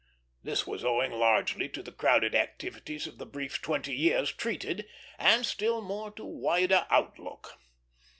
This was owing largely to the crowded activities of the brief twenty years treated, and still more to wider outlook.